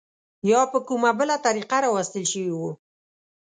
یا په کومه بله طریقه راوستل شوي وو.